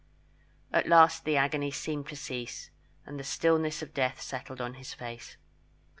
At last the agony seemed to cease, and the stillness of death settled on his face.